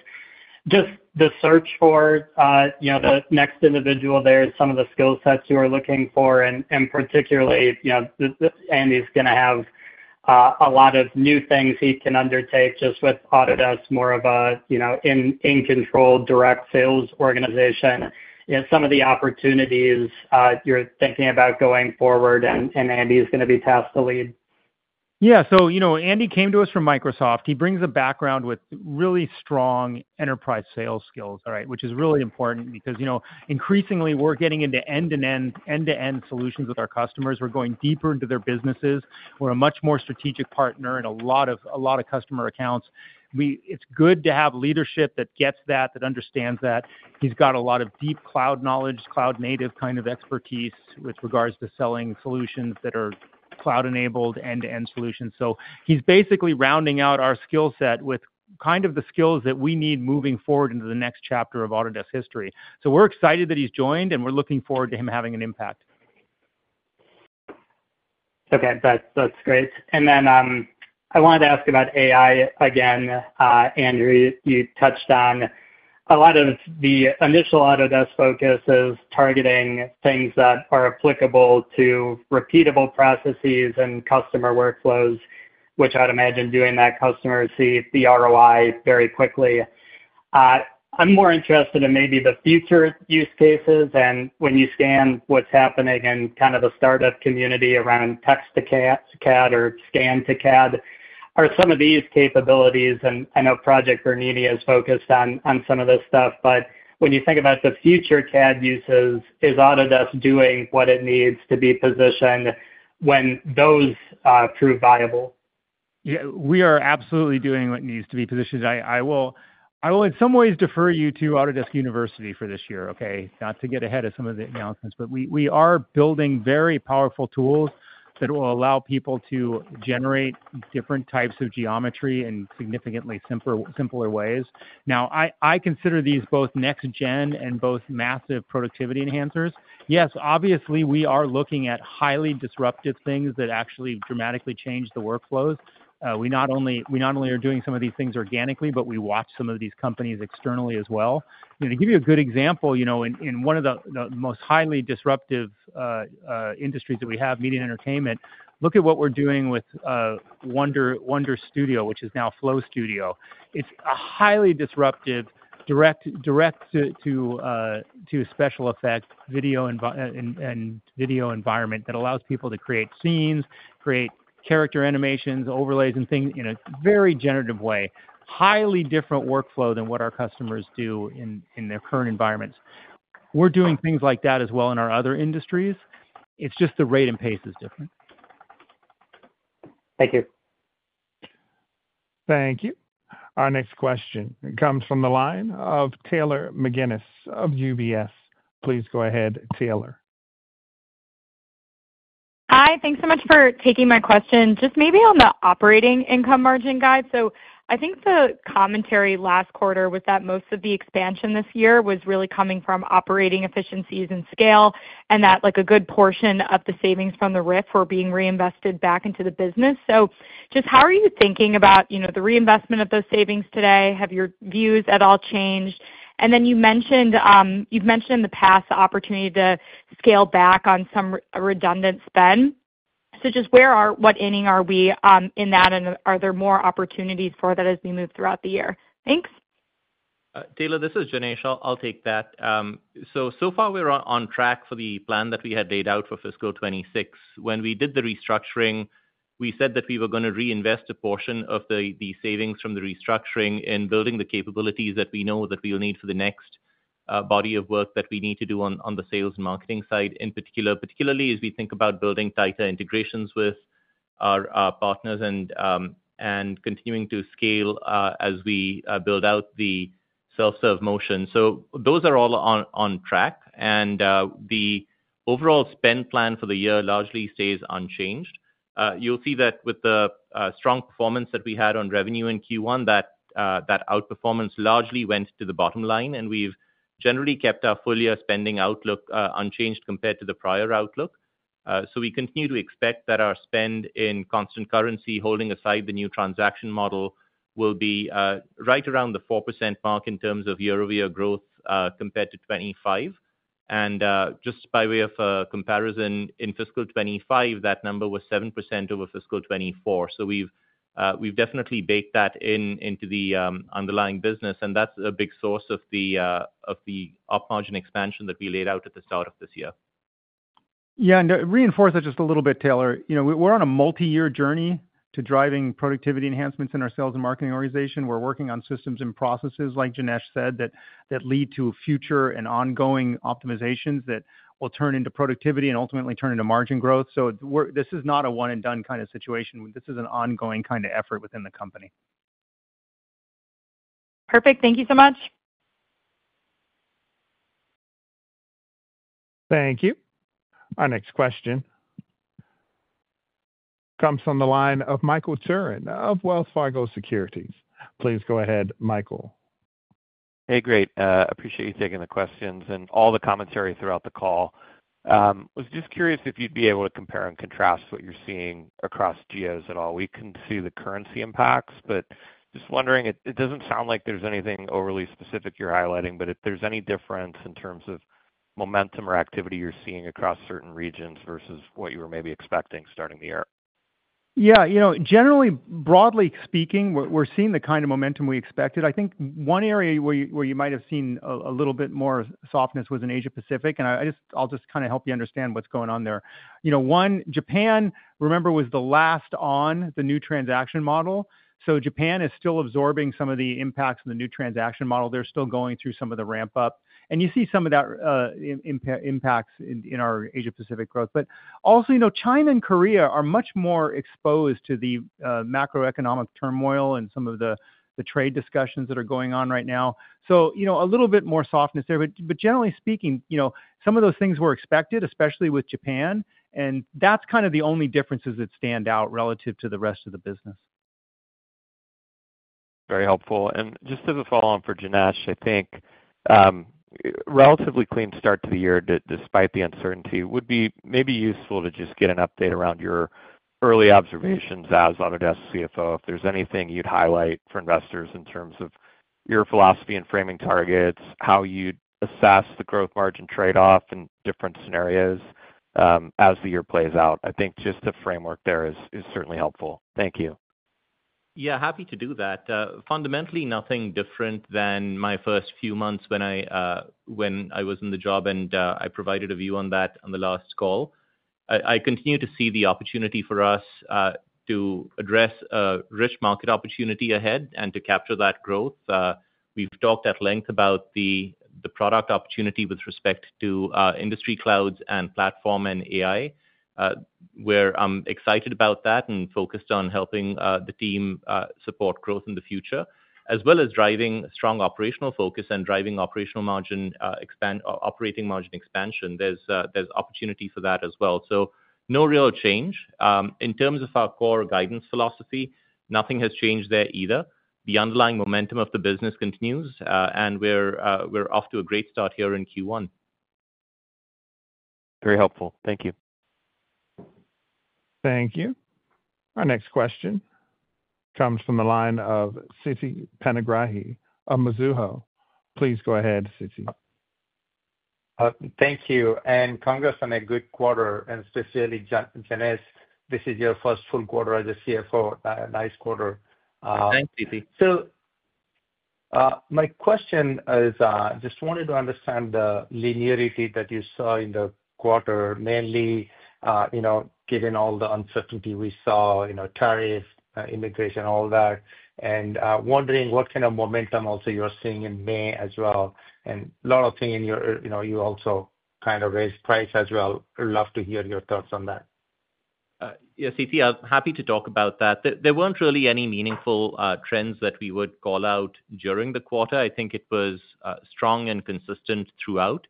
just the search for the next individual there, some of the skill sets you are looking for, and particularly Andy's going to have a lot of new things he can undertake just with Autodesk, more of an in-control direct sales organization. Some of the opportunities you're thinking about going forward, and Andy's going to be tasked to lead. Yeah. Andy came to us from Microsoft. He brings a background with really strong enterprise sales skills, which is really important because increasingly we're getting into end-to-end solutions with our customers. We're going deeper into their businesses. We're a much more strategic partner in a lot of customer accounts. It's good to have leadership that gets that, that understands that. He's got a lot of deep cloud knowledge, cloud-native kind of expertise with regards to selling solutions that are cloud-enabled end-to-end solutions. He's basically rounding out our skill set with kind of the skills that we need moving forward into the next chapter of Autodesk history. We're excited that he's joined, and we're looking forward to him having an impact. Okay. That's great. I wanted to ask about AI again, Andrew. You touched on a lot of the initial Autodesk focus is targeting things that are applicable to repeatable processes and customer workflows, which I'd imagine doing that customer receipt, the ROI very quickly. I'm more interested in maybe the future use cases and when you scan what's happening in kind of the startup community around text-to-CAD or scan-to-CAD or some of these capabilities. I know Project Bernini is focused on some of this stuff, but when you think about the future CAD uses, is Autodesk doing what it needs to be positioned when those prove viable? Yeah. We are absolutely doing what needs to be positioned. I will in some ways defer you to Autodesk University for this year, okay, not to get ahead of some of the announcements, but we are building very powerful tools that will allow people to generate different types of geometry in significantly simpler ways. Now, I consider these both next-gen and both massive productivity enhancers. Yes, obviously, we are looking at highly disruptive things that actually dramatically change the workflows. We not only are doing some of these things organically, but we watch some of these companies externally as well. To give you a good example, in one of the most highly disruptive industries that we have, media and entertainment, look at what we're doing with Wonder Studio, which is now Flow Studio. It's a highly disruptive direct-to-special effect video environment that allows people to create scenes, create character animations, overlays, and things in a very generative way. Highly different workflow than what our customers do in their current environments. We're doing things like that as well in our other industries. It's just the rate and pace is different. Thank you. Thank you. Our next question comes from the line of Taylor McGinnis of UBS. Please go ahead, Taylor. Hi. Thanks so much for taking my question. Just maybe on the operating income margin guide. I think the commentary last quarter was that most of the expansion this year was really coming from operating efficiencies and scale and that a good portion of the savings from the RIF were being reinvested back into the business. Just how are you thinking about the reinvestment of those savings today? Have your views at all changed? You have mentioned in the past the opportunity to scale back on some redundant spend. Where are we, what inning are we in that, and are there more opportunities for that as we move throughout the year? Thanks. Taylor, this is Janesh. I'll take that. So far we're on track for the plan that we had laid out for fiscal 2026. When we did the restructuring, we said that we were going to reinvest a portion of the savings from the restructuring in building the capabilities that we know that we'll need for the next body of work that we need to do on the sales and marketing side in particular, particularly as we think about building tighter integrations with our partners and continuing to scale as we build out the self-serve motion. Those are all on track. The overall spend plan for the year largely stays unchanged. You'll see that with the strong performance that we had on revenue in Q1, that outperformance largely went to the bottom line, and we've generally kept our full-year spending outlook unchanged compared to the prior outlook. We continue to expect that our spend in constant currency, holding aside the new transaction model, will be right around the 4% mark in terms of year-over-year growth compared to 2025. Just by way of comparison, in fiscal 2025, that number was 7% over fiscal 2024. We have definitely baked that into the underlying business, and that is a big source of the up-margin expansion that we laid out at the start of this year. Yeah. To reinforce that just a little bit, Taylor, we're on a multi-year journey to driving productivity enhancements in our sales and marketing organization. We're working on systems and processes, like Janesh said, that lead to future and ongoing optimizations that will turn into productivity and ultimately turn into margin growth. This is not a one-and-done kind of situation. This is an ongoing kind of effort within the company. Perfect. Thank you so much. Thank you. Our next question comes from the line of Michael Turrin of Wells Fargo Securities. Please go ahead, Michael. Hey, great. Appreciate you taking the questions and all the commentary throughout the call. I was just curious if you'd be able to compare and contrast what you're seeing across geos at all. We can see the currency impacts, but just wondering, it doesn't sound like there's anything overly specific you're highlighting, but if there's any difference in terms of momentum or activity you're seeing across certain regions versus what you were maybe expecting starting the year. Yeah. Generally, broadly speaking, we're seeing the kind of momentum we expected. I think one area where you might have seen a little bit more softness was in Asia-Pacific, and I'll just kind of help you understand what's going on there. One, Japan, remember, was the last on the new transaction model. Japan is still absorbing some of the impacts in the new transaction model. They're still going through some of the ramp-up. You see some of that impacts in our Asia-Pacific growth. Also, China and Korea are much more exposed to the macroeconomic turmoil and some of the trade discussions that are going on right now. A little bit more softness there. Generally speaking, some of those things were expected, especially with Japan, and that's kind of the only differences that stand out relative to the rest of the business. Very helpful. Just as a follow-on for Janesh, I think a relatively clean start to the year despite the uncertainty would be maybe useful to just get an update around your early observations as Autodesk CFO. If there's anything you'd highlight for investors in terms of your philosophy and framing targets, how you assess the growth margin trade-off in different scenarios as the year plays out, I think just the framework there is certainly helpful. Thank you. Yeah, happy to do that. Fundamentally, nothing different than my first few months when I was in the job, and I provided a view on that on the last call. I continue to see the opportunity for us to address a rich market opportunity ahead and to capture that growth. We've talked at length about the product opportunity with respect to industry clouds and platform and AI, where I'm excited about that and focused on helping the team support growth in the future, as well as driving strong operational focus and driving operating margin expansion. There's opportunity for that as well. No real change. In terms of our core guidance philosophy, nothing has changed there either. The underlying momentum of the business continues, and we're off to a great start here in Q1. Very helpful. Thank you. Thank you. Our next question comes from the line of Sithi Penagrahi at Mizuho. Please go ahead, Sithi. Thank you. Congrats on a good quarter, and especially Janesh. This is your first full quarter as CFO. Nice quarter. Thank you. My question is I just wanted to understand the linearity that you saw in the quarter, mainly given all the uncertainty we saw, tariffs, immigration, all that, and wondering what kind of momentum also you're seeing in May as well. A lot of things, you also kind of raised price as well. Love to hear your thoughts on that. Yeah, Sithi, I'm happy to talk about that. There weren't really any meaningful trends that we would call out during the quarter. I think it was strong and consistent throughout.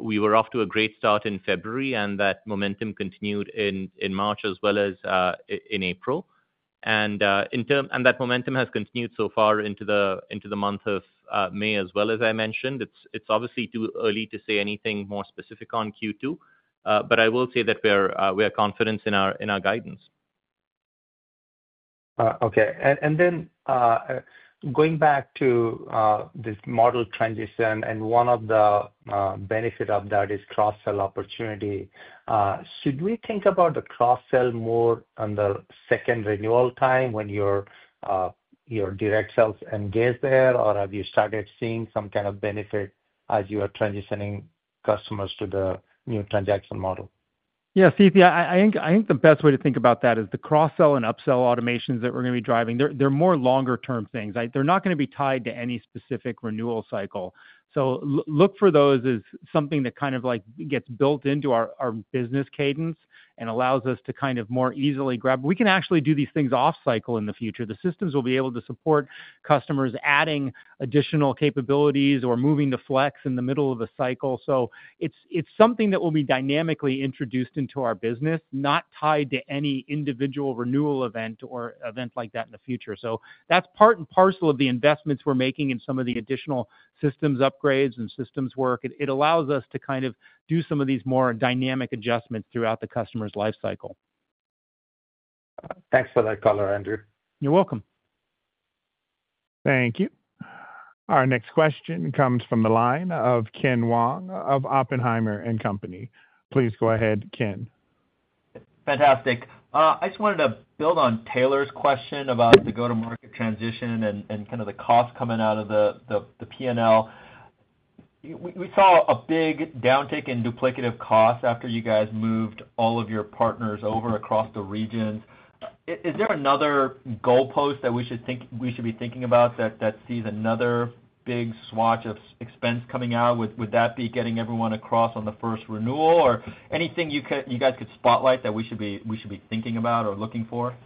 We were off to a great start in February, and that momentum continued in March as well as in April. That momentum has continued so far into the month of May as well, as I mentioned. It's obviously too early to say anything more specific on Q2, but I will say that we're confident in our guidance. Okay. Then going back to this model transition, and one of the benefits of that is cross-sell opportunity. Should we think about the cross-sell more on the second renewal time when your direct sales engage there, or have you started seeing some kind of benefit as you are transitioning customers to the new transaction model? Yeah, Sithi, I think the best way to think about that is the cross-sell and up-sell automations that we're going to be driving. They're more longer-term things. They're not going to be tied to any specific renewal cycle. Look for those as something that kind of gets built into our business cadence and allows us to kind of more easily grab. We can actually do these things off-cycle in the future. The systems will be able to support customers adding additional capabilities or moving to flex in the middle of a cycle. It's something that will be dynamically introduced into our business, not tied to any individual renewal event or event like that in the future. That's part and parcel of the investments we're making in some of the additional systems upgrades and systems work. It allows us to kind of do some of these more dynamic adjustments throughout the customer's lifecycle. Thanks for that color, Andrew. You're welcome. Thank you. Our next question comes from the line of Ken Wong of Oppenheimer & Company. Please go ahead, Ken. Fantastic. I just wanted to build on Taylor's question about the go-to-market transition and kind of the cost coming out of the P&L. We saw a big downtick in duplicative costs after you guys moved all of your partners over across the regions. Is there another goalpost that we should be thinking about that sees another big swatch of expense coming out? Would that be getting everyone across on the first renewal or anything you guys could spotlight that we should be thinking about or looking for?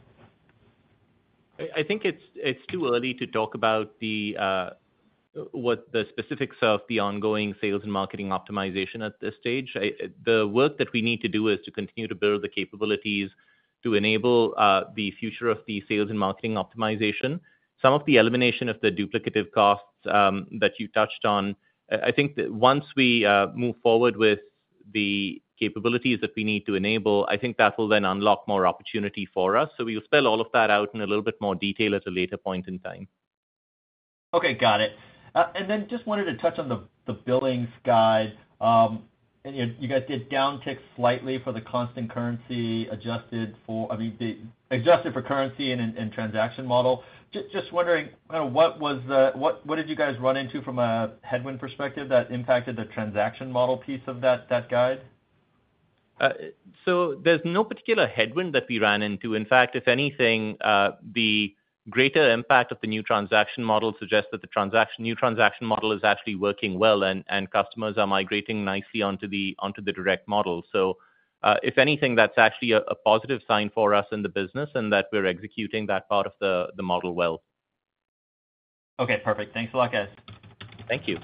I think it's too early to talk about what the specifics of the ongoing sales and marketing optimization at this stage. The work that we need to do is to continue to build the capabilities to enable the future of the sales and marketing optimization. Some of the elimination of the duplicative costs that you touched on, I think once we move forward with the capabilities that we need to enable, I think that will then unlock more opportunity for us. We will spell all of that out in a little bit more detail at a later point in time. Okay. Got it. I just wanted to touch on the billing side. You guys did downtick slightly for the constant currency adjusted for currency and transaction model. Just wondering, what did you guys run into from a headwind perspective that impacted the transaction model piece of that guide? There is no particular headwind that we ran into. In fact, if anything, the greater impact of the new transaction model suggests that the new transaction model is actually working well and customers are migrating nicely onto the direct model. If anything, that is actually a positive sign for us in the business and that we are executing that part of the model well. Okay. Perfect. Thanks a lot, guys. Thank you.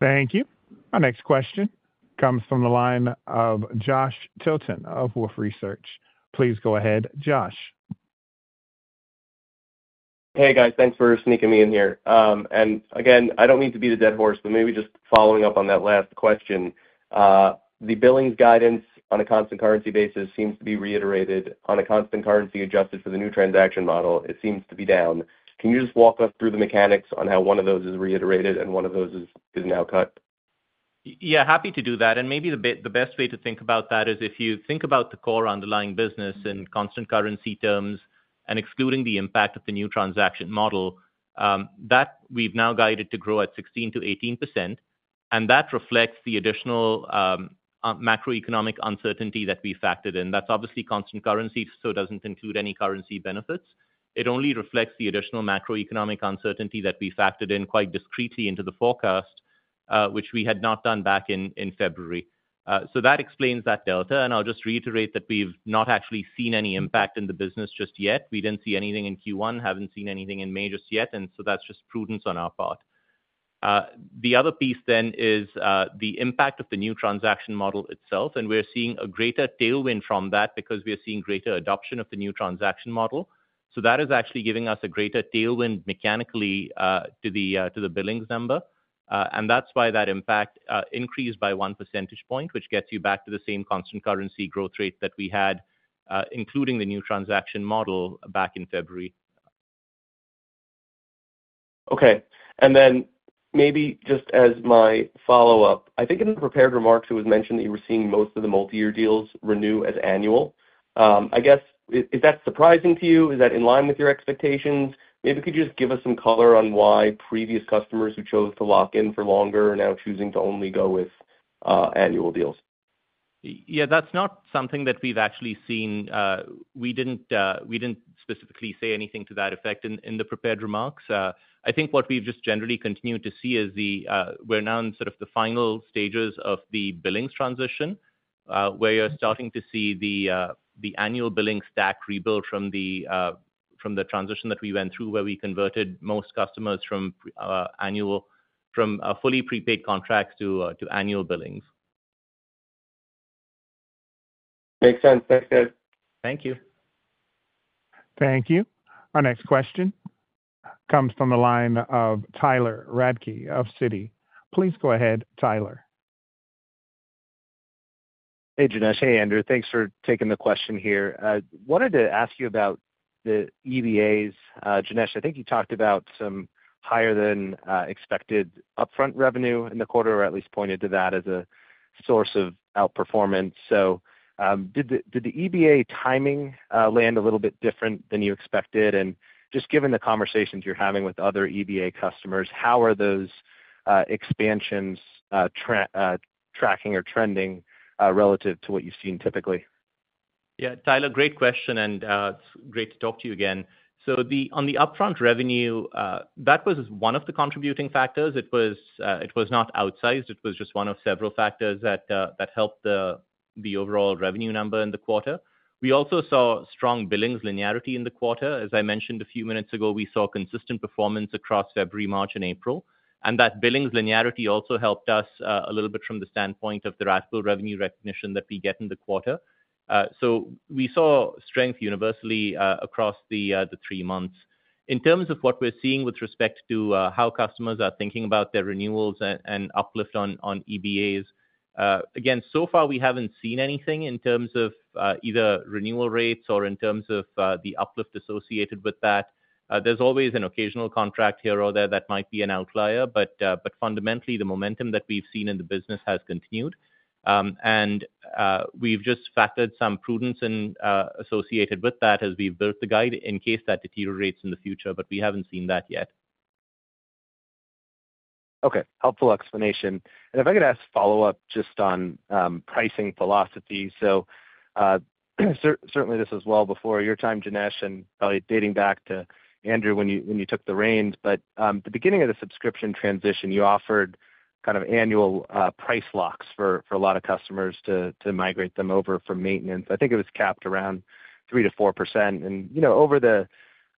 Thank you. Our next question comes from the line of Josh Tilton of Wolf Research. Please go ahead, Josh. Hey, guys. Thanks for sneaking me in here. Again, I do not mean to be the dead horse, but maybe just following up on that last question. The billing's guidance on a constant currency basis seems to be reiterated. On a constant currency adjusted for the new transaction model, it seems to be down. Can you just walk us through the mechanics on how one of those is reiterated and one of those is now cut? Yeah, happy to do that. Maybe the best way to think about that is if you think about the core underlying business in constant currency terms and excluding the impact of the new transaction model, that we've now guided to grow at 16-18%, and that reflects the additional macroeconomic uncertainty that we factored in. That's obviously constant currency, so it doesn't include any currency benefits. It only reflects the additional macroeconomic uncertainty that we factored in quite discreetly into the forecast, which we had not done back in February. That explains that delta. I'll just reiterate that we've not actually seen any impact in the business just yet. We didn't see anything in Q1, haven't seen anything in May just yet, and that's just prudence on our part. The other piece then is the impact of the new transaction model itself, and we're seeing a greater tailwind from that because we are seeing greater adoption of the new transaction model. That is actually giving us a greater tailwind mechanically to the billings number. That is why that impact increased by one percentage point, which gets you back to the same constant currency growth rate that we had, including the new transaction model back in February. Okay. Maybe just as my follow-up, I think in the prepared remarks, it was mentioned that you were seeing most of the multi-year deals renew as annual. I guess, is that surprising to you? Is that in line with your expectations? Maybe could you just give us some color on why previous customers who chose to lock in for longer are now choosing to only go with annual deals? Yeah, that's not something that we've actually seen. We didn't specifically say anything to that effect in the prepared remarks. I think what we've just generally continued to see is we're now in sort of the final stages of the billing's transition where you're starting to see the annual billing stack rebuilt from the transition that we went through where we converted most customers from fully prepaid contracts to annual billings. Makes sense. Thanks, guys. Thank you. Thank you. Our next question comes from the line of Tyler Radke of Citi. Please go ahead, Tyler. Hey, Janesh. Hey, Andrew. Thanks for taking the question here. Wanted to ask you about the EBAs. Janesh, I think you talked about some higher-than-expected upfront revenue in the quarter or at least pointed to that as a source of outperformance. Did the EBA timing land a little bit different than you expected? Just given the conversations you're having with other EBA customers, how are those expansions tracking or trending relative to what you've seen typically? Yeah, Tyler, great question, and it's great to talk to you again. On the upfront revenue, that was one of the contributing factors. It was not outsized. It was just one of several factors that helped the overall revenue number in the quarter. We also saw strong billings linearity in the quarter. As I mentioned a few minutes ago, we saw consistent performance across February, March, and April. That billings linearity also helped us a little bit from the standpoint of the RPO revenue recognition that we get in the quarter. We saw strength universally across the three months. In terms of what we're seeing with respect to how customers are thinking about their renewals and uplift on EBAs, again, so far, we haven't seen anything in terms of either renewal rates or in terms of the uplift associated with that. There's always an occasional contract here or there that might be an outlier, but fundamentally, the momentum that we've seen in the business has continued. We have just factored some prudence associated with that as we've built the guide in case that deteriorates in the future, but we haven't seen that yet. Okay. Helpful explanation. If I could ask follow-up just on pricing philosophy. Certainly, this was well before your time, Janesh, and probably dating back to Andrew when you took the reins. At the beginning of the subscription transition, you offered kind of annual price locks for a lot of customers to migrate them over for maintenance. I think it was capped around 3-4%. Over the,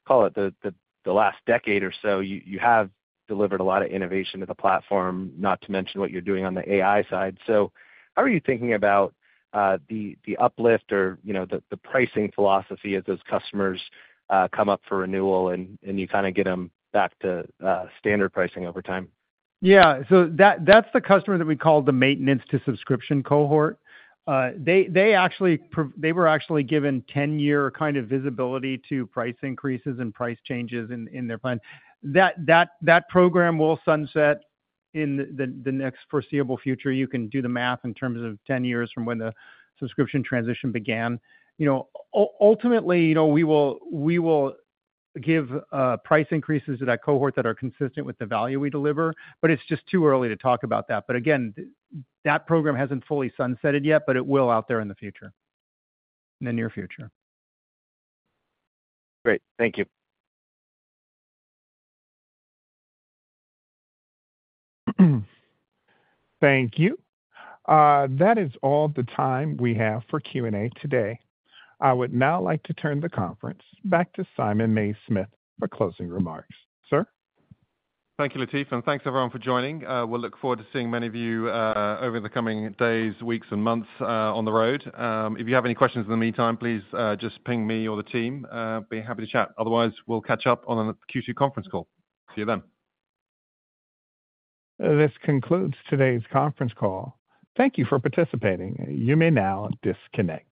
call it the last decade or so, you have delivered a lot of innovation to the platform, not to mention what you're doing on the AI side. How are you thinking about the uplift or the pricing philosophy as those customers come up for renewal and you kind of get them back to standard pricing over time? Yeah. So that's the customer that we call the maintenance-to-subscription cohort. They were actually given 10-year kind of visibility to price increases and price changes in their plan. That program will sunset in the next foreseeable future. You can do the math in terms of 10 years from when the subscription transition began. Ultimately, we will give price increases to that cohort that are consistent with the value we deliver, but it's just too early to talk about that. Again, that program hasn't fully sunsetted yet, but it will out there in the future, in the near future. Great. Thank you. Thank you. That is all the time we have for Q&A today. I would now like to turn the conference back to Simon Mays-Smith for closing remarks. Sir? Thank you, Latif, and thanks everyone for joining. We'll look forward to seeing many of you over the coming days, weeks, and months on the road. If you have any questions in the meantime, please just ping me or the team. Be happy to chat. Otherwise, we'll catch up on a Q2 conference call. See you then. This concludes today's conference call. Thank you for participating. You may now disconnect.